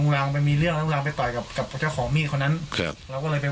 แล้วตอนนี้ลุงเต่ายังกังวลอยู่ไหมยังกลัวอยู่ไหมครับ